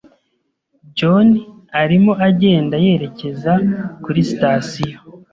John arimo agenda yerekeza kuri sitasiyo.